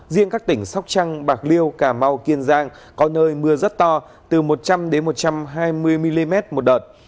riêng các tỉnh sóc trăng bạc liêu cà mau kiên giang có nơi mưa rất to từ một trăm linh một trăm hai mươi mm một đợt